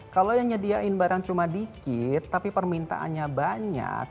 kalau yang nyediain barang cuma dikit tapi permintaannya banyak